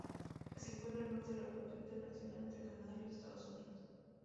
Se encuentra al norte de la frontera internacional entre Canadá y los Estados Unidos.